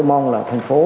tôi mong là thành phố